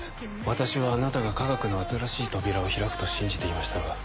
私はあなたが科学の新しい扉を開くと信じていましたが。